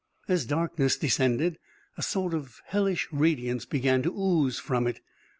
As darkness descended, a sort of hellish radiance began to ooze from it.